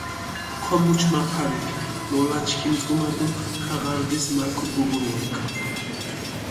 ქომუჩი მა ფარეფი, მოლა ჩქიმიწკჷმა დო ქაღარდის მა ქდჷგოგურუანქ.